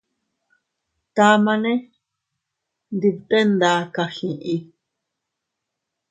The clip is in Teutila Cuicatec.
Tamane ndi bte nda kagii.